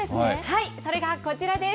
それがこちらです。